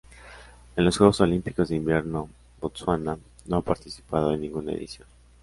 En los Juegos Olímpicos de Invierno Botsuana no ha participado en ninguna edición.